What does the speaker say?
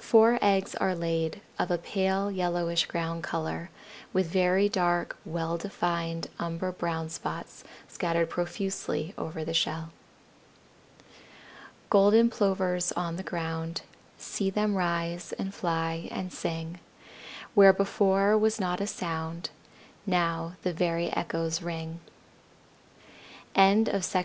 Four eggs are laid, of a pale yellowish ground color, with very dark, well defined umber brown spots scattered profusely over the shell. Golden Plovers on the ground, See them rise, and fly, and sing; Where before was not a sound Now the very echoes ring. CAN ANIMALS COUNT?